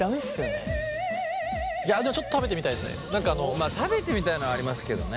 まあ食べてみたいのはありますけどね。